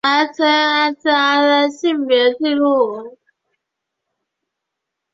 而任何市民如进行性别重塑手术有责任向入境处申请更改性别纪录。